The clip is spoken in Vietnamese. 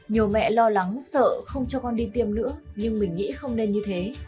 nhiều mẹ lo lắng sợ không cho con đi tiêm nữa nhưng mình nghĩ không nên như thế